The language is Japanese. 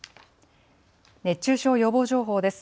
熱中症予防情報です。